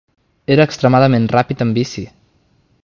Era extremadament ràpid en bici.